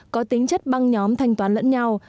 có tính chất băng nhóm thanh toán lẫn nhau